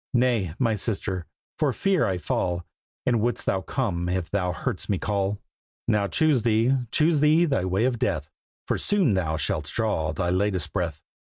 "Nay, my sister, for fear I fall. And wouldst thou come if thou heardst me call?" "Now choose thee, choose thee thy way of death, For soon thou shalt draw thy latest breath.